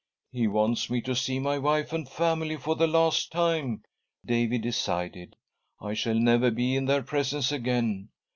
." He wants me to see my wife and family for the • last time," David decided. " I shall never be in ; their presence again.